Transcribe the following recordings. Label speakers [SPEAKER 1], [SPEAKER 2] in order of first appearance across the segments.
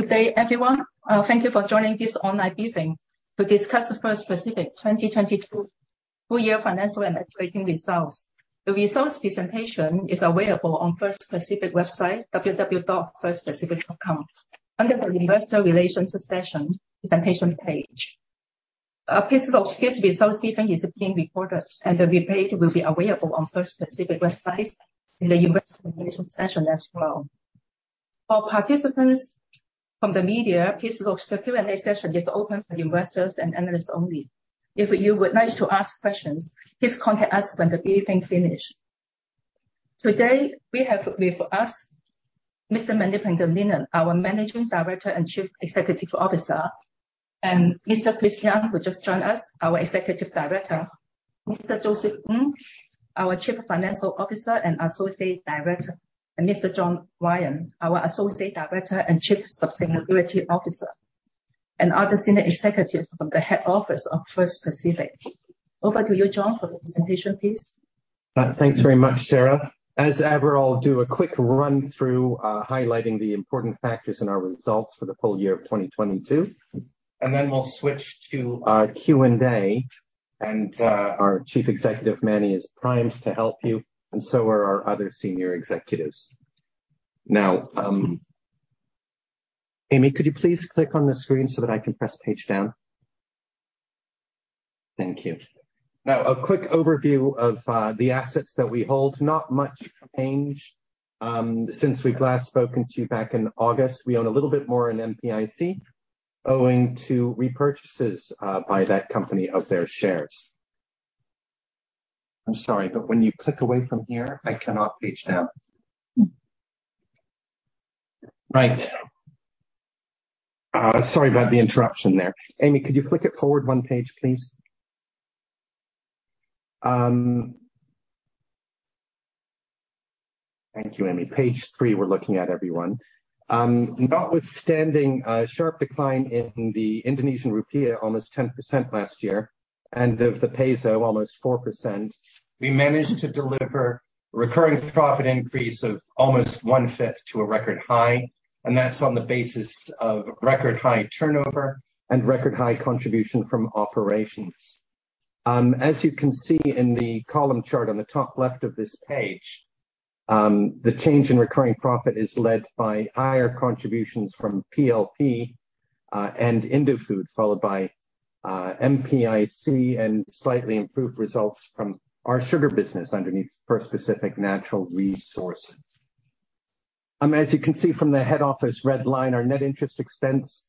[SPEAKER 1] Good day, everyone. Thank you for joining this online briefing to discuss the First Pacific 2022 full year financial and operating results. The results presentation is available on First Pacific Website, www.firstpacific.com, under the Investor Relations section presentation page. A piece of excuse results briefing is being recorded and the replay will be available on First Pacific Website in the Investor Relations section as well. For participants from the media, please note the Q&A session is open for investors and analysts only. If you would like to ask questions, please contact us when the briefing finish. Today, we have with us Mr. Manuel Pangilinan, our Managing Director and Chief Executive Officer. Mr. Chris Young, who just joined us, our Executive Director. Mr. Joseph Ng, our Chief Financial Officer and Associate Director. Mr. Jon Ryan, our Associate Director and Chief Sustainability Officer, and other senior executives from the head office of First Pacific. Over to you, Jon, for the presentation, please.
[SPEAKER 2] Thanks very much, Sara. As ever, I'll do a quick run through, highlighting the important factors in our results for the full year of 2022, and then we'll switch to our Q&A. Our Chief Executive, Manny, is primed to help you, and so are our other senior executives. Now, Amy, could you please click on the screen so that I can press page down? Thank you. Now, a quick overview of the assets that we hold. Not much change since we've last spoken to you back in August. We own a little bit more in MPIC, owing to repurchases by that company of their shares. I'm sorry, but when you click away from here, I cannot page down. Right. Sorry about the interruption there. Amy, could you click it forward one page, please? Thank you, Amy. Page three, we're looking at, everyone. Notwithstanding a sharp decline in the Indonesian rupiah almost 10% last year, and of the peso almost 4%, we managed to deliver recurring profit increase of almost one-fifth to a record high, and that's on the basis of record high turnover and record high contribution from operations. As you can see in the column chart on the top left of this page, the change in recurring profit is led by higher contributions from PLP and Indofood, followed by MPIC and slightly improved results from our sugar business underneath First Pacific Natural Resources. As you can see from the head office red line, our net interest expense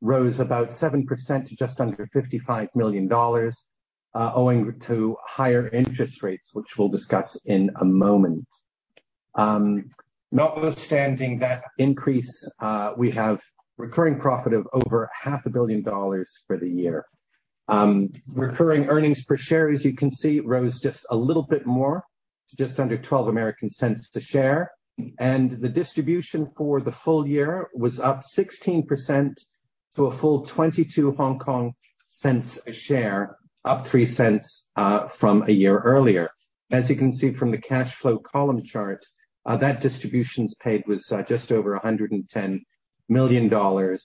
[SPEAKER 2] rose about 7% to just under $55 million, owing to higher interest rates, which we'll discuss in a moment. Notwithstanding that increase, we have recurring profit of over $ 500 million for the year. Recurring earnings per share, as you can see, rose just a little bit more to just under $0.12 a share. The distribution for the full year was up 16% to a full 0.22 a share, up 0.03 from a year earlier. As you can see from the cash flow column chart, that distributions paid was just over $110 million.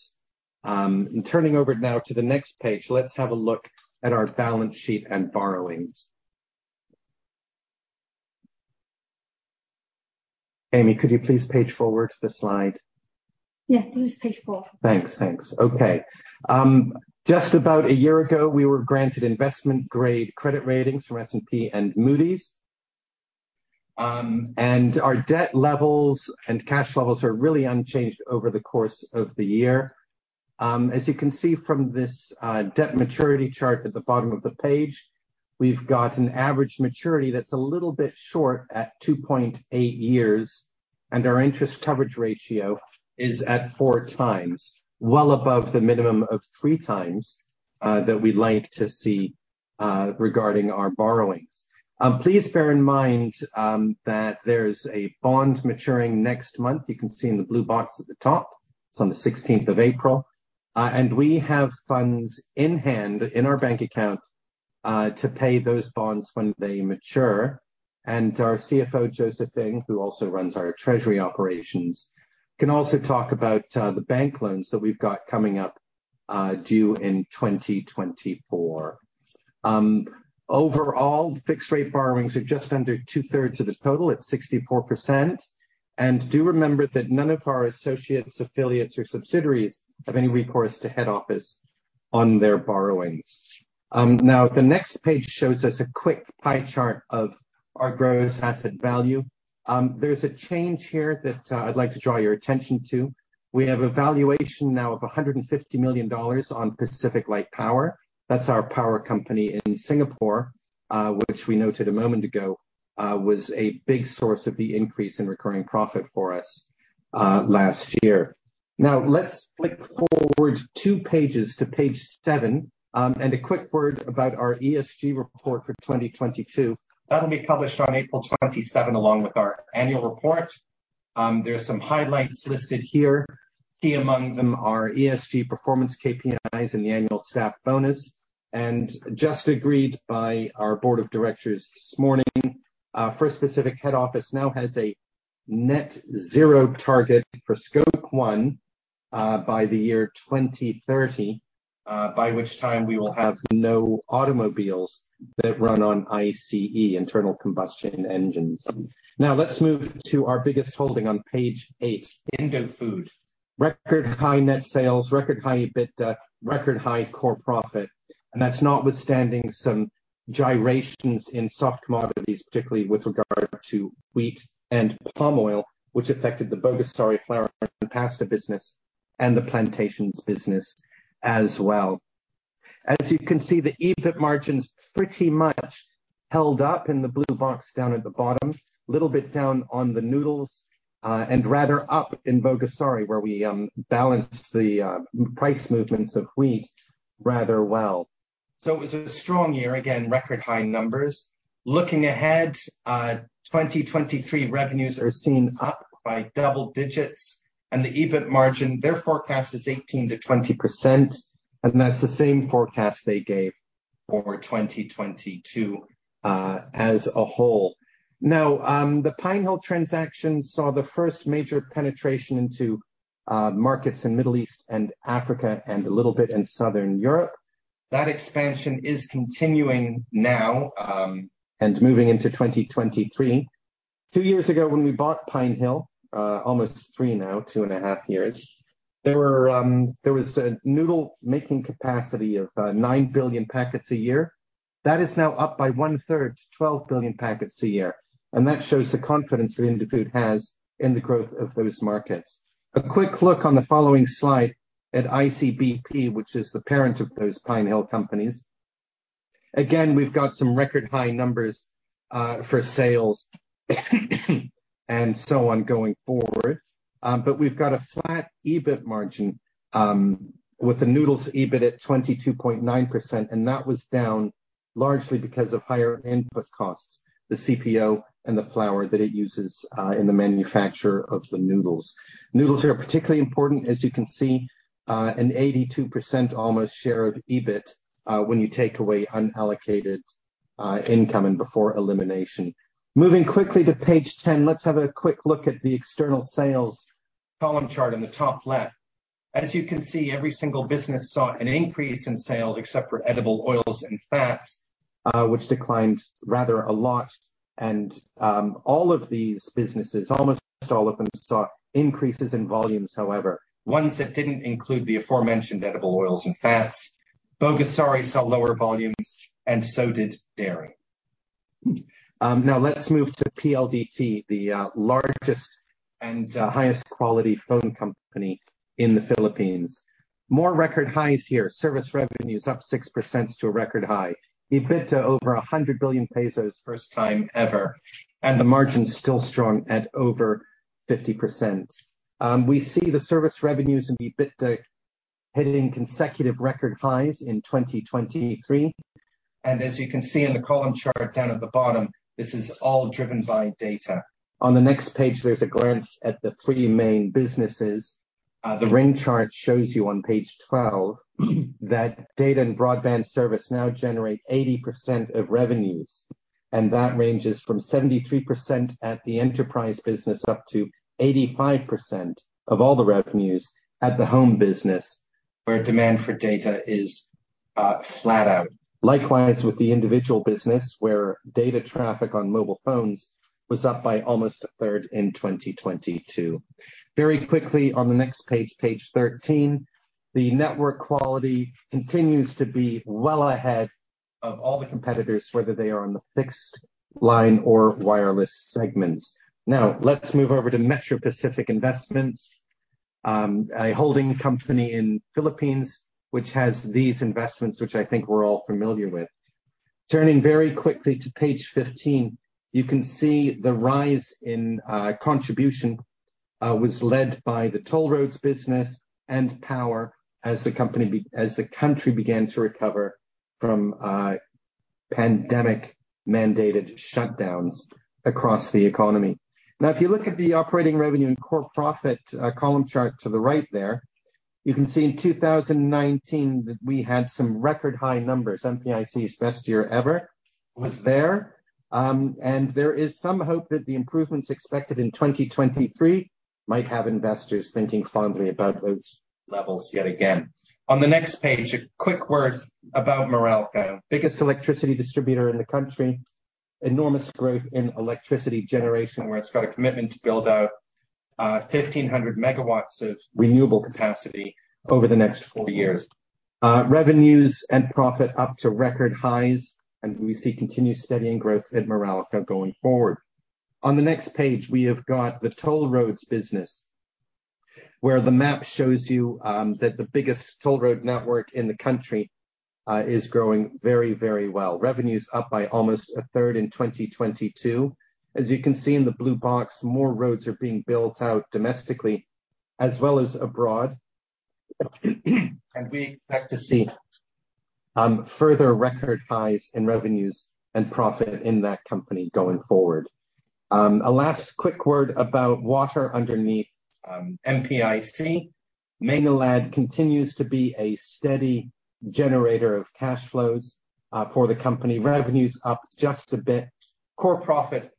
[SPEAKER 2] Turning over now to the next page. Let's have a look at our balance sheet and borrowings. Amy, could you please page forward the slide?
[SPEAKER 3] Yes, this is page four.
[SPEAKER 2] Thanks. Thanks. Okay. Just about a year ago, we were granted investment-grade credit ratings from S&P and Moody's. Our debt levels and cash levels are really unchanged over the course of the year. As you can see from this, debt maturity chart at the bottom of the page, we've got an average maturity that's a little bit short at 2.8 years, and our interest coverage ratio is at four times, well above the minimum of three times, that we'd like to see, regarding our borrowings. Please bear in mind, that there's a bond maturing next month. You can see in the blue box at the top. It's on the 16th of April. We have funds in hand in our bank account, to pay those bonds when they mature. Our CFO, Joseph Ng, who also runs our treasury operations, can also talk about the bank loans that we've got coming up due in 2024. Overall, fixed rate borrowings are just under two-thirds of the total at 64%. Do remember that none of our associates, affiliates or subsidiaries have any recourse to head office on their borrowings. Now the next page shows us a quick pie chart of our gross asset value. There's a change here that I'd like to draw your attention to. We have a valuation now of $150 million on PacificLight Power. That's our power company in Singapore, which we noted a moment ago, was a big source of the increase in recurring profit for us last year. Let's flick forward two pages to page seven, and a quick word about our ESG report for 2022. That'll be published on April 27 along with our annual report. There are some highlights listed here. Key among them are ESG performance KPIs and the annual staff bonus. Just agreed by our board of directors this morning, First Pacific head office now has a net zero target for Scope one, by the year 2030, by which time we will have no automobiles that run on ICE, internal combustion engines. Let's move to our biggest holding on page eight, Indofood. Record high net sales, record high EBITDA, record high core profit. That's notwithstanding some gyrations in soft commodities, particularly with regard to wheat and palm oil, which affected the Bogasari Flour and Pasta business and the Plantations business as well. As you can see, the EBIT margins pretty much held up in the blue box down at the bottom, a little bit down on the noodles, and rather up in Bogasari, where we balanced the price movements of wheat rather well. It was a strong year. Again, record high numbers. Looking ahead, 2023 revenues are seen up by double digits. The EBIT margin, their forecast is 18%-20%, and that's the same forecast they gave for 2022 as a whole. Now, the Pinehill transaction saw the first major penetration into markets in Middle East and Africa and a little bit in Southern Europe. That expansion is continuing now, and moving into 2023. Two years ago, when we bought Pinehill, almost three now, two and a half years, there was a noodle-making capacity of nine billion packets a year. That is now up by one-third to 12 billion packets a year. That shows the confidence that Indofood has in the growth of those markets. A quick look on the following slide at ICBP, which is the parent of those Pinehill companies. Again, we've got some record high numbers for sales and so on going forward. We've got a flat EBIT margin with the noodles EBIT at 22.9%, and that was down largely because of higher input costs, the CPO and the flour that it uses in the manufacture of the noodles. Noodles are particularly important, as you can see, an 82% almost share of EBIT, when you take away unallocated income and before elimination. Moving quickly to page 10, let's have a quick look at the external sales column chart in the top left. As you can see, every single business saw an increase in sales except for edible oils and fats, which declined rather a lot. All of these businesses, almost all of them, saw increases in volumes however. Ones that didn't include the aforementioned edible oils and fats. Bogasari saw lower volumes and so did dairy. Now let's move to PLDT, the largest and highest quality phone company in the Philippines. More record highs here. Service revenues up 6% to a record high. EBITDA over 100 billion pesos, first time ever, and the margin's still strong at over 50%. We see the service revenues and the EBITDA hitting consecutive record highs in 2023. As you can see in the column chart down at the bottom, this is all driven by data. On the next page, there's a glance at the three main businesses. The ring chart shows you on page 12 that data and broadband service now generates 80% of revenues, and that ranges from 73% at the enterprise business up to 85% of all the revenues at the home business, where demand for data is flat out. Likewise, with the individual business, where data traffic on mobile phones was up by almost a third in 2022. Very quickly on the next page 13, the network quality continues to be well ahead of all the competitors, whether they are on the fixed line or wireless segments. Let's move over to Metro Pacific Investments, a holding company in Philippines, which has these investments, which I think we're all familiar with. Turning very quickly to page 15, you can see the rise in contribution was led by the toll roads business and power as the country began to recover from pandemic-mandated shutdowns across the economy. If you look at the operating revenue and core profit column chart to the right there, you can see in 2019 that we had some record high numbers. MPIC's best year ever was there. There is some hope that the improvements expected in 2023 might have investors thinking fondly about those levels yet again. On the next page, a quick word about Meralco, biggest electricity distributor in the country. Enormous growth in electricity generation, where it's got a commitment to build out 1,500 megawatts of renewable capacity over the next four years. Revenues and profit up to record highs, and we see continued steady and growth at Meralco going forward. On the next page, we have got the toll roads business, where the map shows you that the biggest toll road network in the country is growing very, very well. Revenue's up by almost a third in 2022. As you can see in the blue box, more roads are being built out domestically as well as abroad. We expect to see further record highs in revenues and profit in that company going forward. A last quick word about water underneath MPIC. Maynilad continues to be a steady generator of cash flows for the company. Revenue's up just a bit. Core profit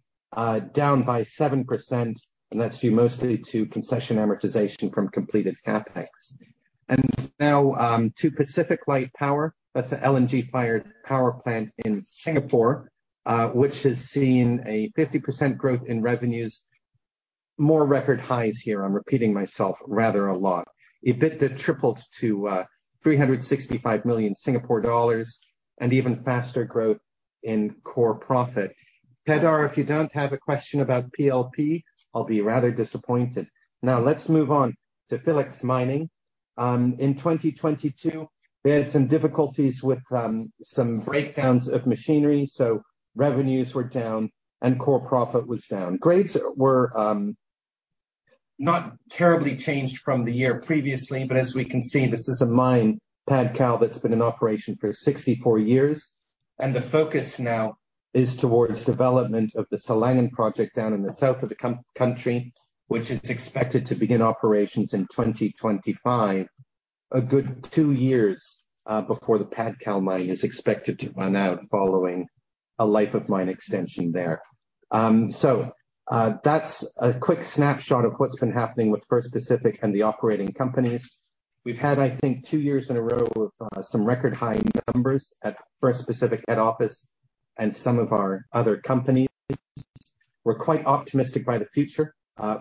[SPEAKER 2] down by 7%, and that's due mostly to concession amortization from completed CapEx. Now to PacificLight Power. That's the LNG fired power plant in Singapore, which has seen a 50% growth in revenues. More record highs here, I'm repeating myself rather a lot. EBITDA tripled to 365 million Singapore dollars and even faster growth in core profit. Pedder, if you don't have a question about PLP, I'll be rather disappointed. Now, let's move on to Philex Mining. In 2022, we had some difficulties with some breakdowns of machinery, so revenues were down and core profit was down. Grades were not terribly changed from the year previously, but as we can see, this is a mine, Padcal, that's been in operation for 64 years. The focus now is towards development of the Silangan project down in the south of the country, which is expected to begin operations in 2025, a good two years before the Padcal mine is expected to run out following a life of mine extension there. That's a quick snapshot of what's been happening with First Pacific and the operating companies. We've had, I think, two years in a row of some record high numbers at First Pacific head office and some of our other companies. We're quite optimistic by the future,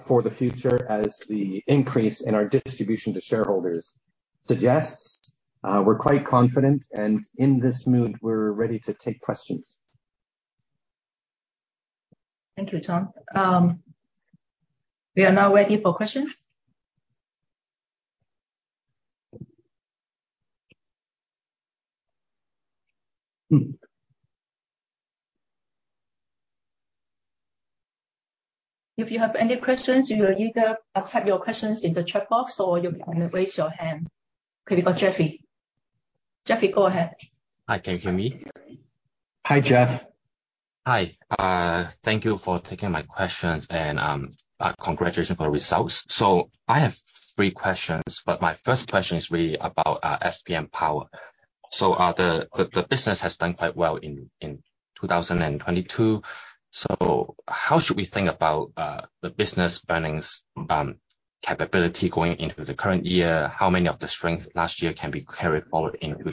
[SPEAKER 2] for the future, as the increase in our distribution to shareholders suggests. We're quite confident, and in this mood, we're ready to take questions.
[SPEAKER 3] Thank you, Tom. We are now ready for questions.
[SPEAKER 2] Mm.
[SPEAKER 3] If you have any questions, you will either type your questions in the chat box or you can raise your hand. We've got Jeffrey. Jeffrey, go ahead.
[SPEAKER 4] Hi. Can you hear me?
[SPEAKER 2] Hi, Jeff.
[SPEAKER 4] Hi. Thank you for taking my questions and congratulations for the results. I have three questions, but my first question is really about FPM Power. The business has done quite well in 2022. How should we think about the business earnings capability going into the current year? How many of the strength last year can be carried forward into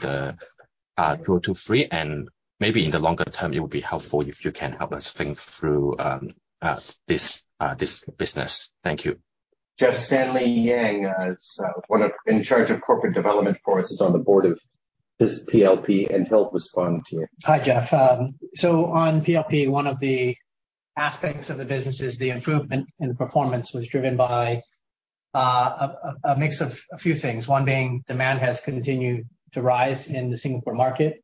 [SPEAKER 4] 2023? And maybe in the longer term, it would be helpful if you can help us think through this business. Thank you.
[SPEAKER 2] Jeff, Stanley Yang is, one of in charge of corporate development for us. He's on the board of this PLP and help respond to you.
[SPEAKER 5] Hi, Jeff. On PLP, one of the aspects of the business is the improvement in performance was driven by a mix of a few things. One being demand has continued to rise in the Singapore market.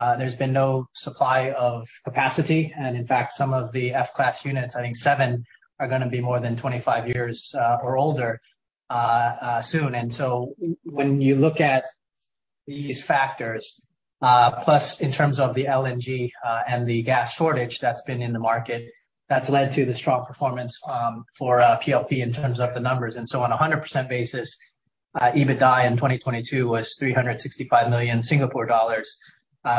[SPEAKER 5] There's been no supply of capacity, and in fact, some of the F-class units, I think seven, are gonna be more than 25 years or older soon. When you look at these factors, plus in terms of the LNG and the gas shortage that's been in the market, that's led to the strong performance for PLP in terms of the numbers. On a 100% basis, EBITDA in 2022 was 365 million Singapore dollars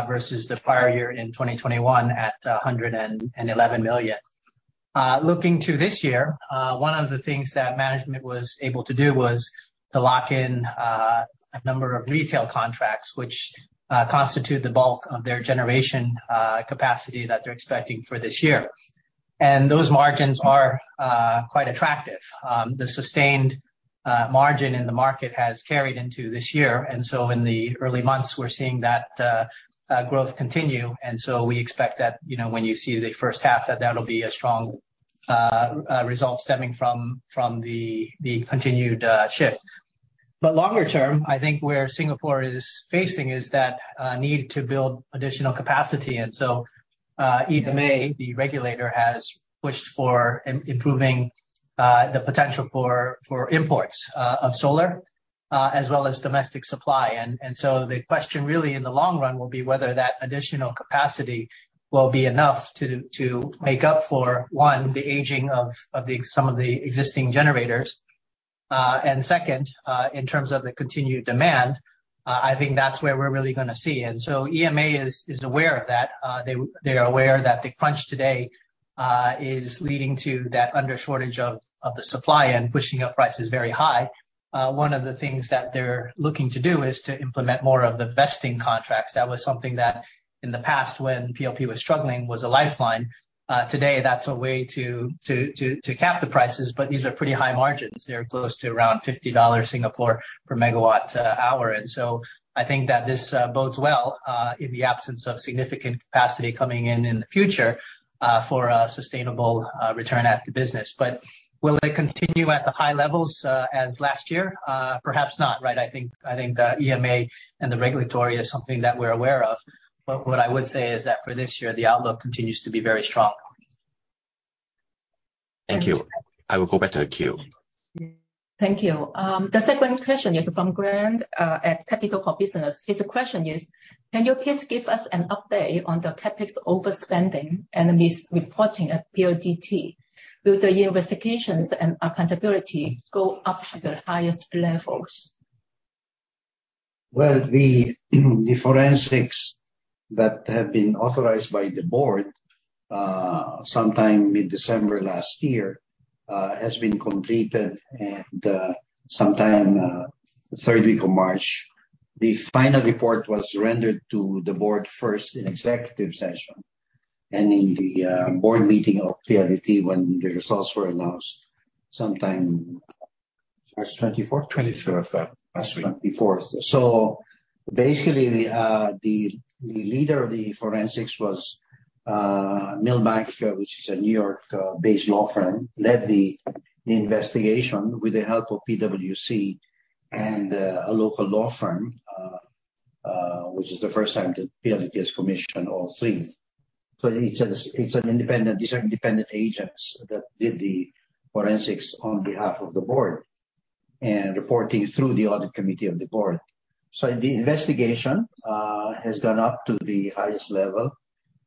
[SPEAKER 5] versus the prior year in 2021 at 111 million. Looking to this year, one of the things that management was able to do was to lock in a number of retail contracts which constitute the bulk of their generation capacity that they're expecting for this year. Those margins are quite attractive. The sustained margin in the market has carried into this year, in the early months, we're seeing that growth continue. We expect that, you know, when you see the first half, that that'll be a strong result stemming from the continued shift. Longer term, I think where Singapore is facing is that need to build additional capacity. EMA, the regulator, has pushed for improving the potential for imports of solar as well as domestic supply. The question really in the long run will be whether that additional capacity will be enough to make up for, one, the aging of the some of the existing generators. Second, in terms of the continued demand, I think that's where we're really gonna see. EMA is aware of that. They're aware that the crunch today is leading to that under shortage of the supply and pushing up prices very high. One of the things that they're looking to do is to implement more of the vesting contracts. That was something that in the past when PLP was struggling, was a lifeline. Today, that's a way to cap the prices, but these are pretty high margins. They're close to around 50 Singapore dollars per megawatt hour. I think that this, bodes well, in the absence of significant capacity coming in in the future, for a sustainable, return at the business. Will it continue at the high levels, as last year? Perhaps not, right? I think the EMA and the regulatory is something that we're aware of. What I would say is that for this year, the outlook continues to be very strong.
[SPEAKER 4] Thank you. I will go back to the queue.
[SPEAKER 1] Thank you. The second question is from Grant, at Capital for Business. His question is, can you please give us an update on the CapEx overspending and the misreporting at PLDT? Will the investigations and accountability go up to the highest levels?
[SPEAKER 6] Well, the forensics that have been authorized by the board, sometime mid-December last year, has been completed and, sometime, third week of March, the final report was rendered to the board first in executive session and in the board meeting of PLDT when the results were announced sometime 24 March?
[SPEAKER 2] 24, yeah. Last week.
[SPEAKER 6] 24. Basically, the leader of the forensics was Milbank, which is a New York-based law firm, led the investigation with the help of PwC and a local law firm, which is the first time that PLDT has commissioned all three. These are independent agents that did the forensics on behalf of the board and reporting through the audit committee of the board. The investigation has gone up to the highest level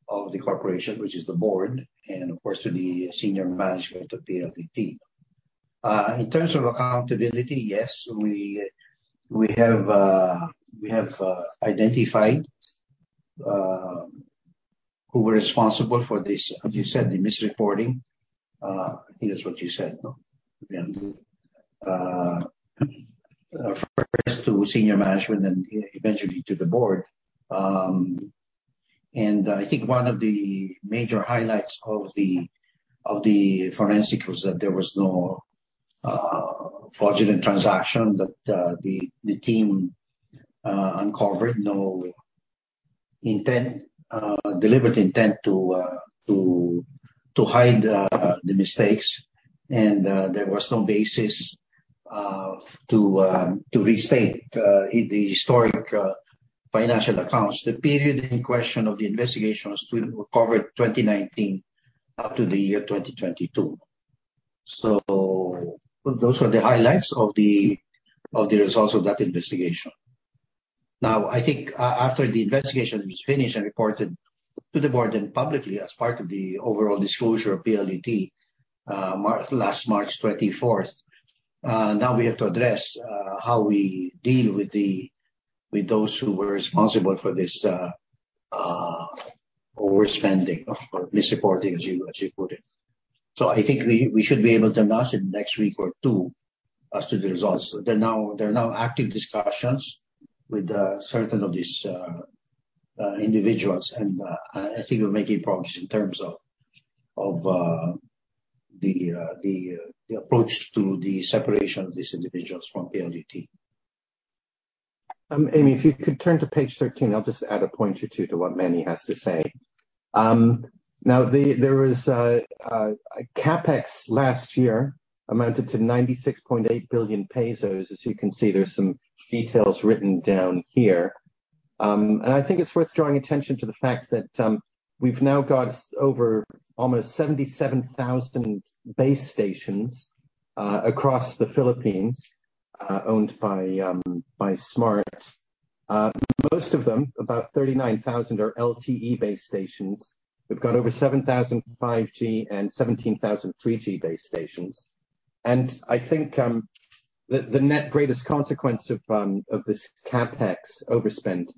[SPEAKER 6] of the corporation, which is the board and of course to the senior management of PLDT. In terms of accountability, yes, we have identified who were responsible for this, as you said, the misreporting. I think that's what you said, no? first to senior management and eventually to the board. I think one of the major highlights of the forensics was that there was no fraudulent transaction that the team uncovered. No intent, deliberate intent to hide the mistakes. There was no basis to restate the historic financial accounts. The period in question of the investigation was to cover 2019 up to the year 2022. Those are the highlights of the results of that investigation. Now, I think after the investigation was finished and reported to the board and publicly as part of the overall disclosure of PLDT, last 24 March, now we have to address how we deal with the, with those who were responsible for this overspending or misreporting, as you put it. I think we should be able to announce it next week or two as to the results. There are now active discussions with certain of these individuals. I think we're making progress in terms of the approach to the separation of these individuals from PLDT.
[SPEAKER 2] Amy, if you could turn to page 13, I'll just add a point or two to what Manny has to say. There was a CapEx last year amounted to 96.8 billion pesos. As you can see, there's some details written down here. I think it's worth drawing attention to the fact that, we've now got over almost 77,000 base stations, across the Philippines, owned by Smart. Most of them, about 39,000, are LTE base stations. We've got over 7,000 5G and 17,000 3G base stations. I think the net greatest consequence of this CapEx overspend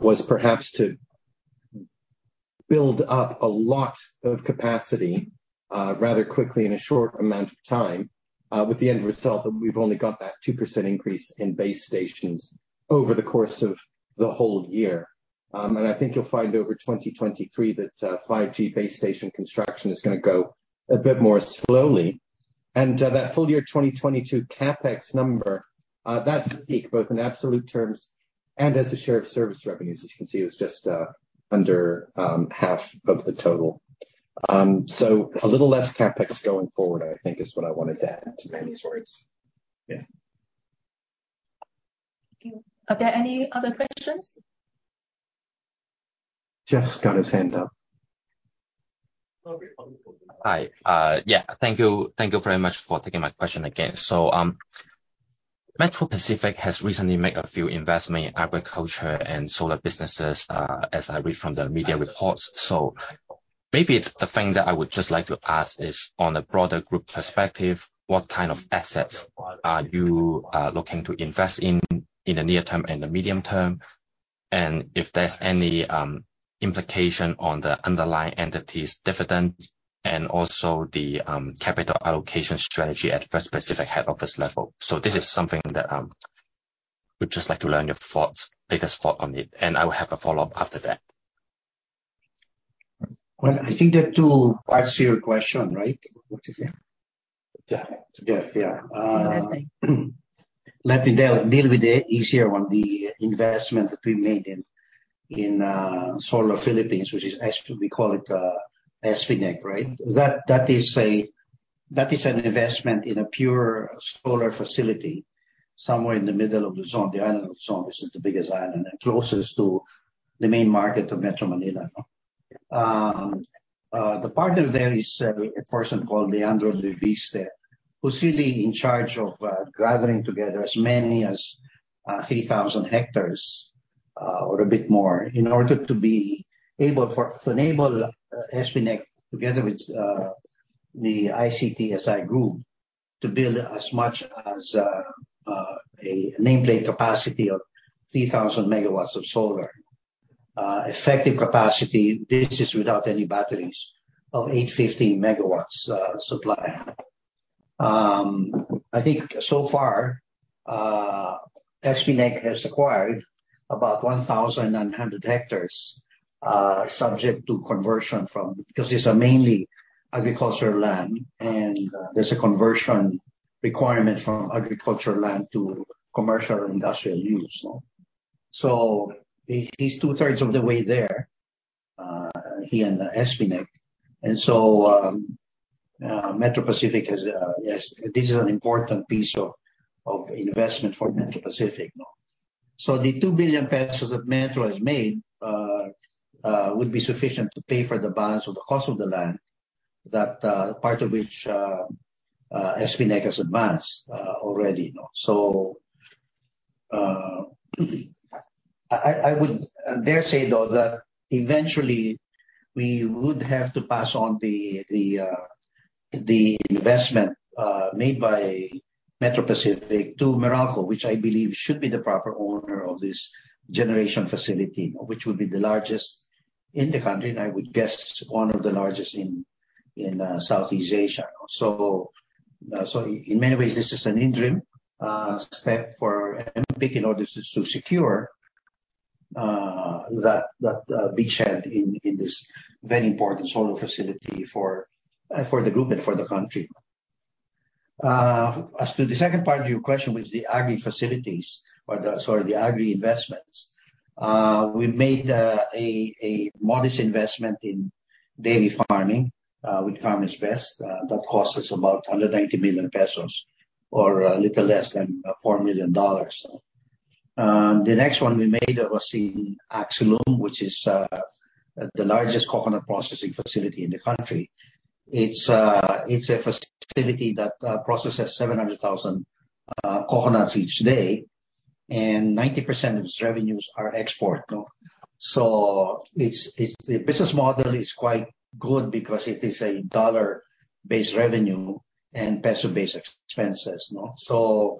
[SPEAKER 2] was perhaps to build up a lot of capacity rather quickly in a short amount of time with the end result that we've only got that 2% increase in base stations over the course of the whole year. I think you'll find over 2023 that 5G base station construction is gonna go a bit more slowly. That full year 2022 CapEx number, that's a peak, both in absolute terms and as a share of service revenues. As you can see, it's just under half of the total. A little less CapEx going forward, I think is what I wanted to add to Manny's words.
[SPEAKER 6] Yeah.
[SPEAKER 1] Thank you. Are there any other questions?
[SPEAKER 2] Jeff's got his hand up.
[SPEAKER 4] Hi. Yeah. Thank you. Thank you very much for taking my question again. Metro Pacific has recently made a few investments in agriculture and solar businesses, as I read from the media reports. Maybe the thing that I would just like to ask is, on a broader group perspective, what kind of assets are you looking to invest in in the near term and the medium term? If there's any implication on the underlying entities' dividend and also the capital allocation strategy at the Pacific head office level? This is something that would just like to learn your thoughts, latest thought on it. I will have a follow-up after that.
[SPEAKER 6] Well, I think that to answer your question, right, what is it?
[SPEAKER 2] To Jeff.
[SPEAKER 5] To Jeff, yeah. Let me deal with the easier one, the investment that we made in Solar Philippines Nueva Ecija Corporation, which is We call it SPNEC, right? That is an investment in a pure solar facility. Somewhere in the middle of Luzon, the island of Luzon, which is the biggest island and closest to the main market of Metro Manila. The partner there is a person called Leandro Leviste, who's really in charge of gathering together as many as 3,000 hectares, or a bit more, in order to be able to enable SPNEC together with the ICTSI group to build as much as a nameplate capacity of 3,000 megawatts of solar. Effective capacity, this is without any batteries, of 815 megawatts supply.
[SPEAKER 6] I think so far, SPNEC has acquired about 1,100 hectares, subject to conversion because these are mainly agricultural land, and there's a conversion requirement from agricultural land to commercial industrial use no. He's two-thirds of the way there, he and SPNEC. Metro Pacific is, yes, this is an important piece of investment for Metro Pacific no. The 2 billion pesos that Metro has made would be sufficient to pay for the balance of the cost of the land that part of which SPNEC has advanced already, you know. I would dare say, though, that eventually we would have to pass on the investment made by Metro Pacific to Meralco, which I believe should be the proper owner of this generation facility, which would be the largest in the country, and I would guess one of the largest in Southeast Asia. In many ways, this is an interim step for MPIC in order to secure that big share in this very important solar facility for the group and for the country. As to the second part of your question, which is the agri facilities or the agri investments, we made a modest investment in dairy farming with Carmen's Best. That cost us about 180 million pesos or a little less than $4 million. The next one we made was in Axelum Resources Corp., which is the largest coconut processing facility in the country. It's a facility that processes 700,000 coconuts each day, and 90% of its revenues are export. The business model is quite good because it is a dollar-based revenue and peso-based expenses no.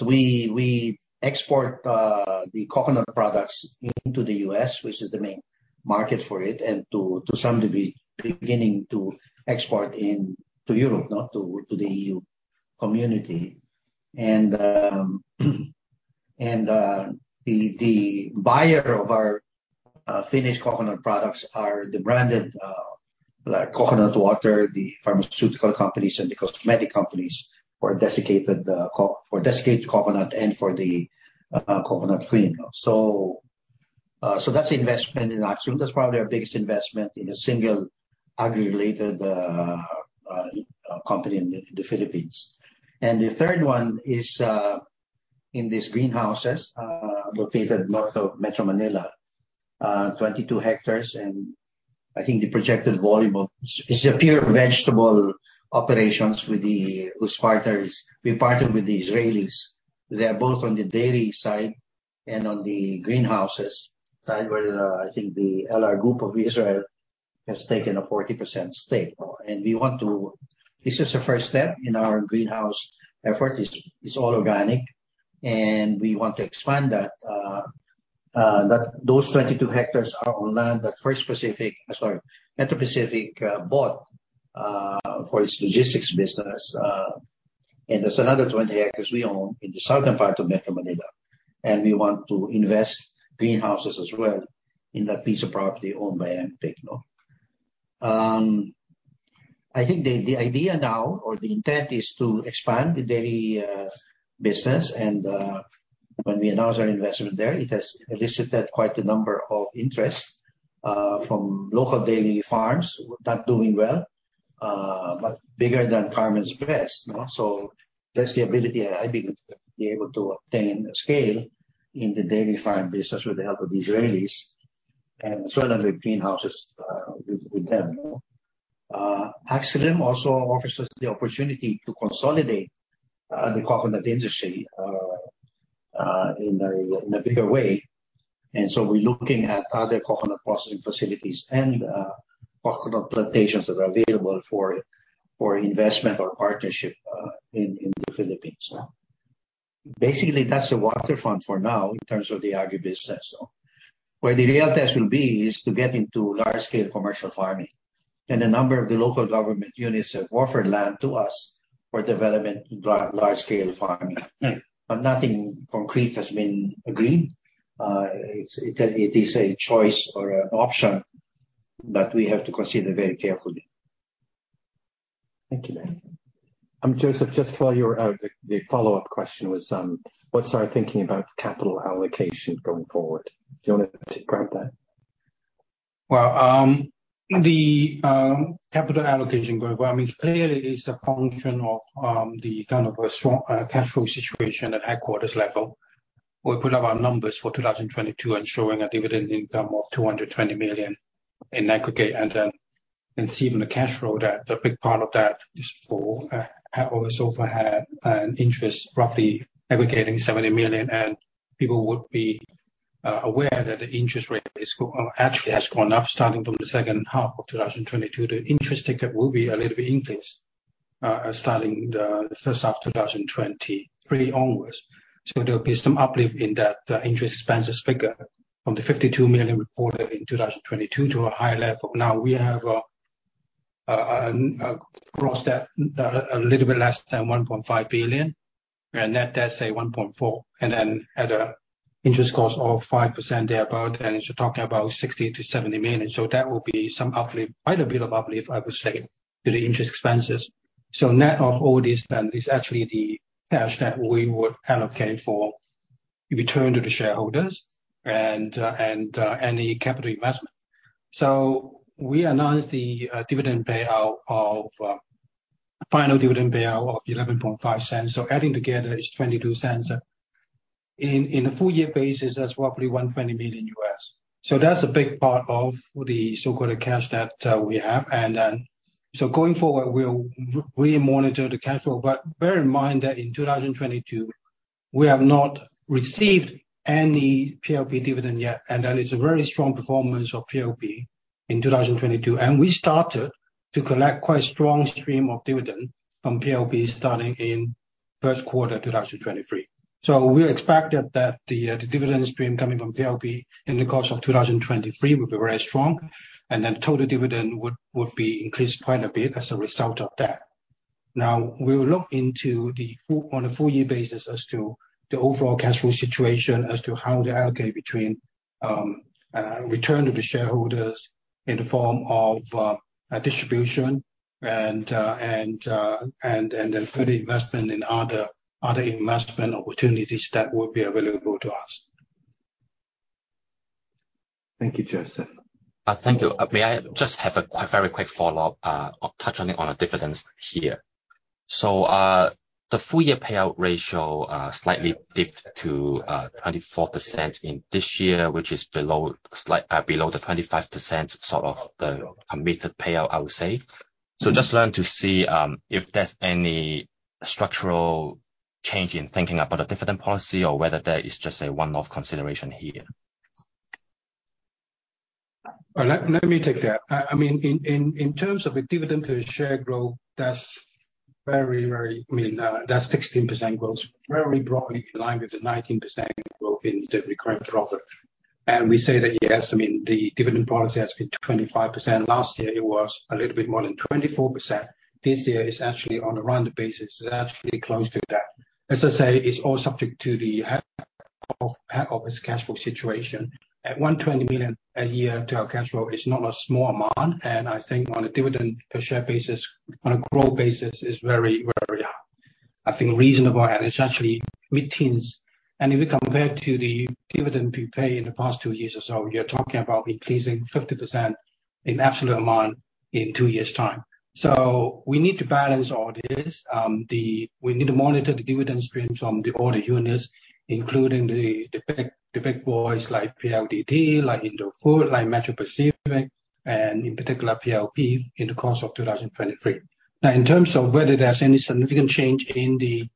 [SPEAKER 6] We export the coconut products into the US, which is the main market for it, and to some degree, beginning to export to Europe no, to the EU community. The buyer of our finished coconut products are the branded, like coconut water, the pharmaceutical companies and the cosmetic companies for desiccated coconuts and for the coconut cream. That's the investment in Axelum Resources Corp.. That's probably our biggest investment in a single agri-related company in the Philippines. The third one is in these greenhouses located north of Metro Manila, 22 hectares, and I think the projected volume of... It's a pure vegetable operations with the, whose partners we partnered with the Israelis. They are both on the dairy side and on the greenhouses side, where I think the LR Group of Israel has taken a 40% stake. This is the first step in our greenhouse effort. It's all organic, and we want to expand that. That those 22 hectares are on land that First Pacific, sorry, Metro Pacific, bought for its logistics business. There's another 20 hectares we own in the southern part of Metro Manila, and we want to invest greenhouses as well in that piece of property owned by MPIC, no. I think the idea now, or the intent is to expand the dairy business and when we announce our investment there, it has elicited quite a number of interest from local dairy farms not doing well, but bigger than Carmen's Best. That's the ability, I believe, to be able to obtain scale in the dairy farm business with the help of the Israelis and as well as with greenhouses, with them. Axelum also offers us the opportunity to consolidate the coconut industry in a bigger way. We're looking at other coconut processing facilities and coconut plantations that are available for investment or partnership in the Philippines. Basically, that's the waterfront for now in terms of the agribusiness. Where the real test will be is to get into large scale commercial farming. A number of the local government units have offered land to us for development in large scale farming. Nothing concrete has been agreed. It's a choice or an option that we have to consider very carefully.
[SPEAKER 2] Thank you. Joseph, just while you're out, the follow-up question was, what's our thinking about capital allocation going forward? Do you want me to grab that?
[SPEAKER 7] Well, the capital allocation program is clearly a function of the kind of a strong cash flow situation at headquarters level. We put up our numbers for 2022 and showing a dividend income of $220 million in aggregate. Seeing the cash flow that the big part of that is for, how over had an interest roughly aggregating $70 million. People would be aware that the interest rate actually has gone up starting from the second half of 2022. The interest ticket will be a little bit increased starting the first half 2023 onwards. There will be some uplift in that interest expenses figure from the $52 million reported in 2022 to a higher level. Now, we have across that a little bit less than $1.5 billion, and let that say $1.4 billion. At an interest cost of 5% thereabout, and it's talking about $60 million-$70 million. That will be some uplift. Quite a bit of uplift, I would say, to the interest expenses. Net of all this then is actually the cash that we would allocate for return to the shareholders and any capital investment. We announced the dividend payout of final dividend payout of $0.115. Adding together is $0.22. In a full year basis, that's roughly $120 million. That's a big part of the so-called cash that we have. Going forward, we'll really monitor the cash flow. Bear in mind that in 2022 we have not received any PLP dividend yet. That is a very strong performance of PLP in 2022. We started to collect quite strong stream of dividend from PLP starting in Q1 2023. We expected that the dividend stream coming from PLP in the course of 2023 will be very strong, and then total dividend would be increased quite a bit as a result of that. We will look into on a full year basis as to the overall cash flow situation as to how to allocate between return to the shareholders in the form of a distribution and then further investment in other investment opportunities that will be available to us.
[SPEAKER 2] Thank you, Joseph.
[SPEAKER 4] Thank you. May I just have a very quick follow-up, touching on the dividends here? The full year payout ratio slightly dipped to 24% in this year, which is below the 25% sort of the committed payout, I would say. Just learn to see if there's any structural change in thinking about a dividend policy or whether there is just a one-off consideration here.
[SPEAKER 7] Well, let me take that. I mean, in terms of a dividend per share growth, that's very, I mean, that's 16% growth, very broadly in line with the 19% growth in the recurring profit. We say that, yes, I mean, the dividend policy has been 25%. Last year it was a little bit more than 24%. This year is actually on a random basis. It's actually close to that. As I say, it's all subject to the head office cash flow situation. At 120 million a year to our cash flow is not a small amount, and I think on a dividend per share basis, on a growth basis is very, I think reasonable and it's actually mid-teens. If we compare to the dividend we pay in the past two years or so, you're talking about increasing 50% in absolute amount in two years' time. We need to balance all this. We need to monitor the dividend streams from the other units, including the big boys like PLDT, like Indofood, like Metro Pacific, and in particular PLP in the course of 2023. In terms of whether there's any significant change in the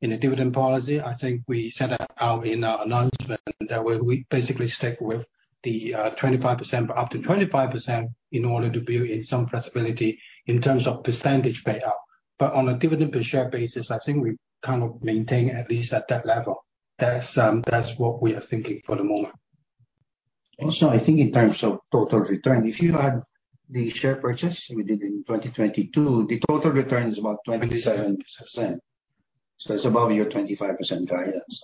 [SPEAKER 7] dividend policy, I think we set that out in our announcement that we basically stick with the 25% but up to 25% in order to build in some flexibility in terms of percentage payout. On a dividend per share basis, I think we kind of maintain at least at that level. That's, that's what we are thinking for the moment.
[SPEAKER 8] I think in terms of total return, if you had the share purchase we did in 2022, the total return is about 27%. It's above your 25% guidance.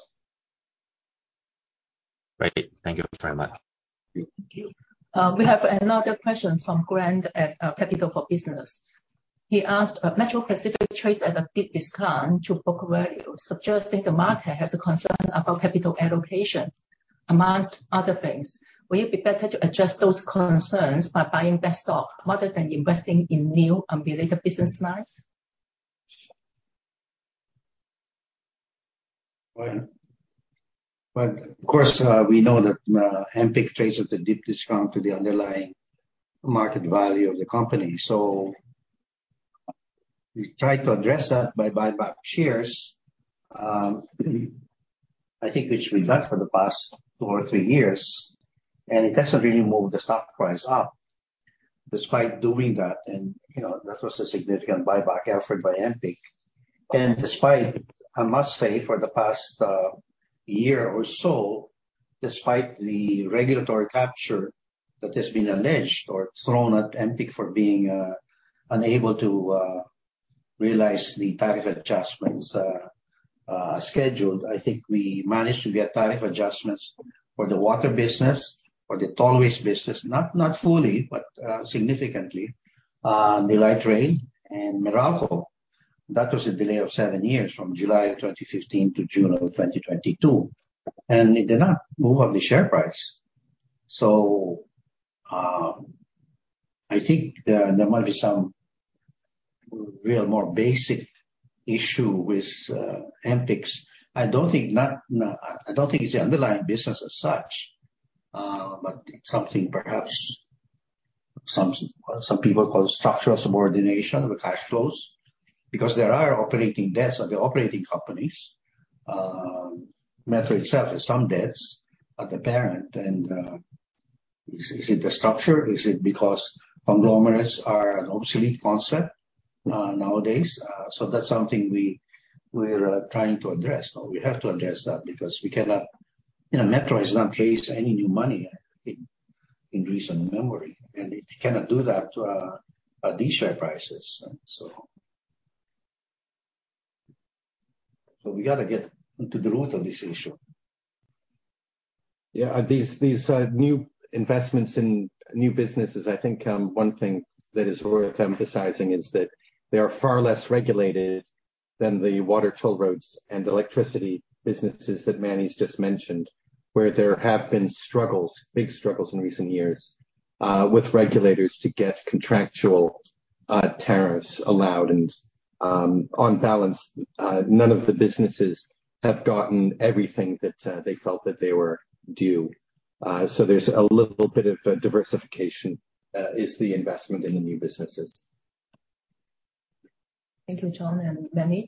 [SPEAKER 4] Great. Thank you very much.
[SPEAKER 2] Thank you.
[SPEAKER 1] We have another question from Grant at Capital for Business. He asked, Metro Pacific trades at a deep discount to book value, suggesting the market has a concern about capital allocation amongst other things. Will it be better to address those concerns by buying back stock rather than investing in new unrelated business lines?
[SPEAKER 7] Well, of course, we know that MPIC trades at a deep discount to the underlying market value of the company. We've tried to address that by buyback shares, I think which we've done for the past two or three years. It hasn't really moved the stock price up despite doing that. You know, that was a significant buyback effort by MPIC. Despite, I must say, for the past year or so, despite the regulatory capture that has been alleged or thrown at MPIC for being unable to realize the tariff adjustments scheduled. I think we managed to get tariff adjustments for the water business, for the tollways business, not fully, but significantly, the light rail and Meralco.
[SPEAKER 6] That was a delay of seven years from July 2015 to June of 2022, and it did not move up the share price. I think there might be some real more basic issue with MPIC. I don't think it's the underlying business as such, but it's something perhaps some people call structural subordination of the cash flows because there are operating debts of the operating companies. Metro itself has some debts at the parent and is it the structure? Is it because conglomerates are an obsolete concept nowadays? That's something we're trying to address, or we have to address that because we cannot. You know, Metro has not raised any new money in recent memory, and it cannot do that at these share prices. We gotta get to the root of this issue.
[SPEAKER 2] Yeah. These, these new investments in new businesses, I think, one thing that is worth emphasizing is that they are far less regulated than the water toll roads and electricity businesses that Manny's just mentioned, where there have been struggles, big struggles in recent years, with regulators to get contractual tariffs allowed. On balance, none of the businesses have gotten everything that they felt that they were due. There's a little bit of a diversification, is the investment in the new businesses.
[SPEAKER 8] Thank you, John and Manuel.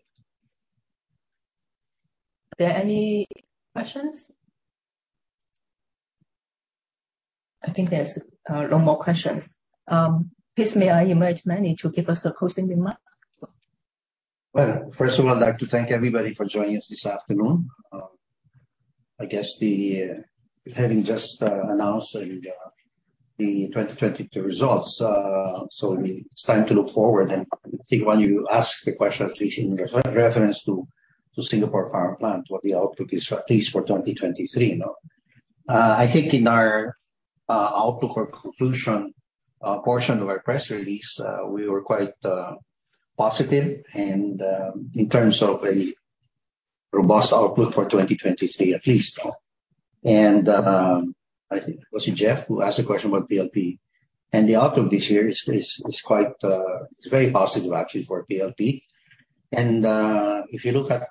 [SPEAKER 8] Are there any questions? I think there's no more questions. Please may I invite Manny to give us a closing remark.
[SPEAKER 6] Well, first of all, I'd like to thank everybody for joining us this afternoon. I guess the Having just announced the 2022 results, so it's time to look forward and think when you ask the question, at least in reference to Singapore Power Plant, what the outlook is at least for 2023, you know. I think in our outlook or conclusion portion of our press release, we were quite positive and in terms of a robust outlook for 2023 at least. I think was it Jeff who asked a question about PLP? The outlook this year is very positive actually for PLP. If you look at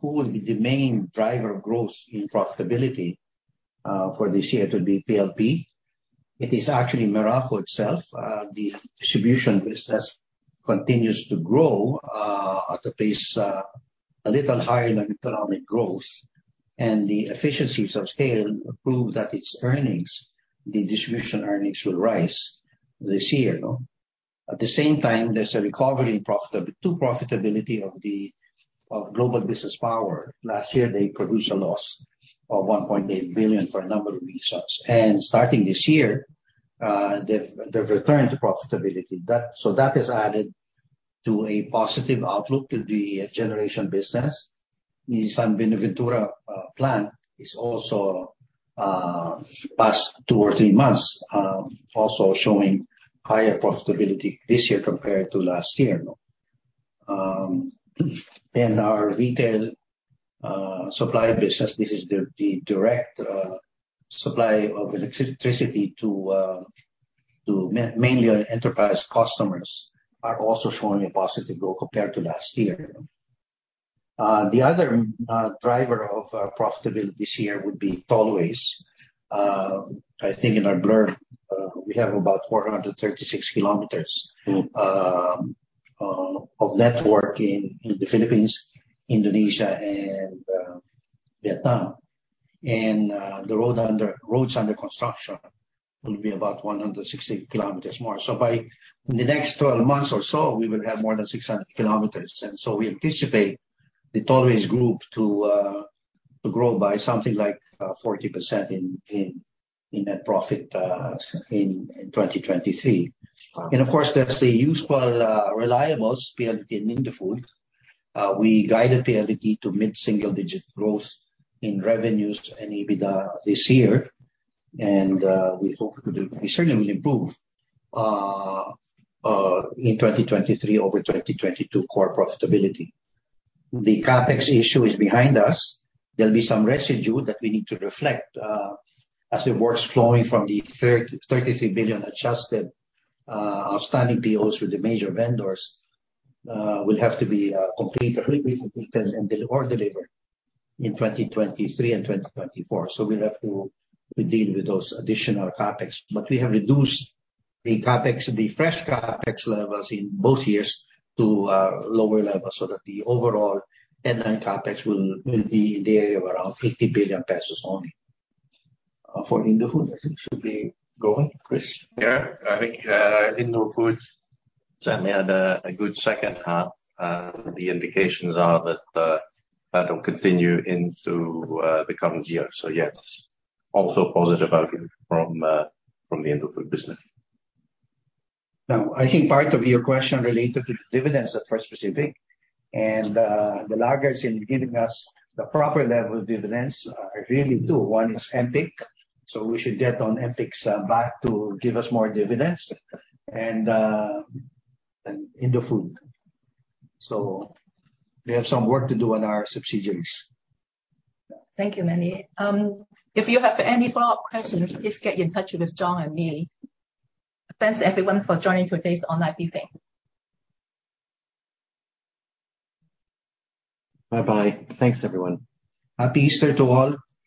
[SPEAKER 6] who will be the main driver of growth in profitability for this year to be PLP, it is actually Merauke itself. The distribution business continues to grow at a pace a little higher than economic growth. The efficiencies of scale prove that its earnings, the distribution earnings, will rise this year. At the same time, there's a recovery in profitability of Global Business Power Corporation. Last year, they produced a loss of 1.8 billion for a number of reasons. Starting this year, they've returned to profitability. That has added to a positive outlook to the generation business. The San Buenaventura Power plant is also past two or three months, also showing higher profitability this year compared to last year. Our retail supply business, this is the direct supply of electricity to mainly our enterprise customers, are also showing a positive growth compared to last year. The other driver of profitability this year would be Tollways. I think in our blurb, we have about 436 kilometers of network in the Philippines, Indonesia and Vietnam. Roads under construction will be about 160 kilometers more. By the next 12 months or so, we will have more than 600 kilometers. We anticipate the Tollways group to grow by something like 40% in net profit in 2023. Of course, there's the useful reliables, PLDT and Indofood. We guided PLDT to mid-single digit growth in revenues to EBITDA this year. We hope to do... We certainly improve in 2023 over 2022 core profitability. The CapEx issue is behind us. There'll be some residue that we need to reflect as the work's flowing from the 33 billion adjusted outstanding POs with the major vendors will have to be complete or delivered in 2023 and 2024. We'll have to deal with those additional CapEx. We have reduced the CapEx, the fresh CapEx levels in both years to lower levels, so that the overall online CapEx will be in the area of around 50 billion pesos only. For Indofood, I think should be... Go ahead, Chris.
[SPEAKER 2] Yeah. I think, Indofood certainly had a good second half. The indications are that that'll continue into the current year. Yes, also a positive outlook from the Indofood business.
[SPEAKER 6] I think part of your question related to the dividends at First Pacific and the laggards in giving us the proper level of dividends really do. One is MPIC, we should get on MPIC's back to give us more dividends and Indofood. We have some work to do on our subsidiaries.
[SPEAKER 8] Thank you, Manny. If you have any follow-up questions, please get in touch with Jon and me. Thanks, everyone, for joining today's online briefing.
[SPEAKER 2] Bye-bye. Thanks, everyone.
[SPEAKER 6] Happy Easter to all.